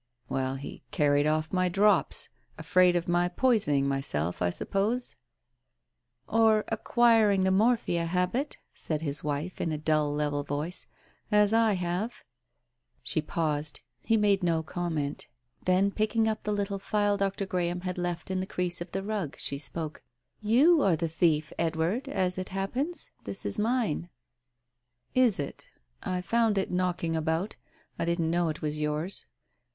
" Well, he carried off my drops. Afraid of my poison ing myself, I suppose ?" "Or acquiring the morphia habit," said his wife in a dull level voice, "as I have." She paused. He made no comment. Then, picking Digitized by Google THE PRAYER 125 up the little phial Dr. Graham had left in the crease of the rug, she spoke — "You are the thief, Edward, as it happens, this is mine." "Is it? I found it knocking about : I didn't know it was yours.